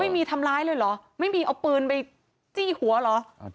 ไม่มีทำร้ายเลยเหรอไม่มีเอาปืนไปจี้หัวเหรอ